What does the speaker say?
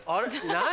何？